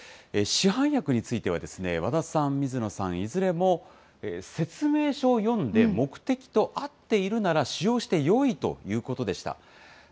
市販薬については和田さん、水野さん、いずれも説明書を読んで、目的と合っているなら使用してよいということでした。